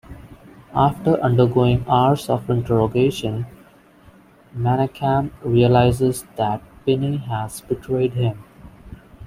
After undergoing hours of interrogation, Menacham realizes that Pini has betrayed him.